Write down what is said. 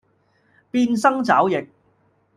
變生肘腋